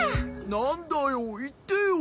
なんだよいってよ。